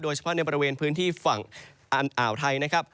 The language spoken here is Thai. เฉพาะในบริเวณพื้นที่ฝั่งอ่าวไทยนะครับ